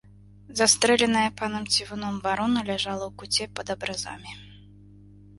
Застрэленая панам цівуном варона ляжала ў куце пад абразамі.